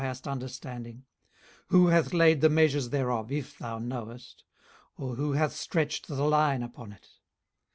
18:038:005 Who hath laid the measures thereof, if thou knowest? or who hath stretched the line upon it?